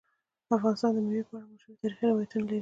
افغانستان د مېوې په اړه مشهور تاریخی روایتونه لري.